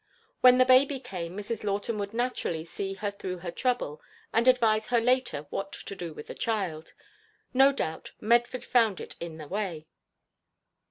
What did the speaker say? When the baby came Mrs. Lawton would naturally see her through her trouble, and advise her later what to do with the child. No doubt, Medford found it in the way.